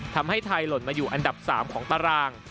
ทำให้ไทยหล่นมาอยู่อันดับ๓ของตาราง